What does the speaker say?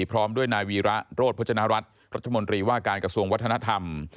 พร้อมด้วยนายวีระโรธพจนรัฐรัฐรัฐมนตรีว่าการกระทรวงวัฒนธรรม